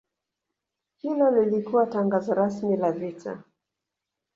Hilo lilikuwa tangazo rasmi la vita